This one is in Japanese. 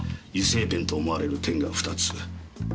油性ペンと思われる点が２つ。